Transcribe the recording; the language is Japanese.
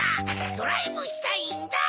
ドライブしたいんだ！